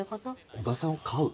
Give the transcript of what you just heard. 小田さんを飼う？